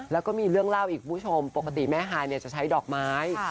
แล้วก็มีเรื่องเล่าอีกผู้ชมปกติแม่หายเนี่ยจะใช้ดอกไม้ค่ะ